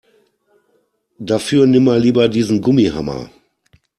Dafür nimm mal lieber diesen Gummihammer.